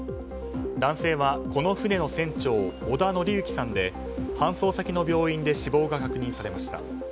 男性は、この船の船長小田紀之さんで搬送先の病院で死亡が確認されました。